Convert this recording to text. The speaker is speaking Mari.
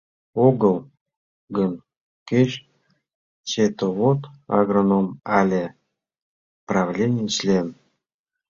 Огыл гын, кеч счетовод, агроном але правлений член.